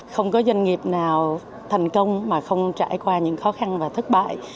không có doanh nghiệp nào thành công mà không trải qua những khó khăn và thất bại